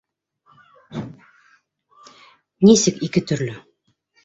Нисек ике төрлө?